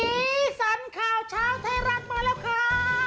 สีสันข่าวเช้าไทยรัฐมาแล้วค่ะ